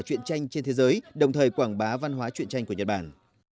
chuyện tranh trên thế giới đồng thời quảng bá văn hóa chuyện tranh của nhật bản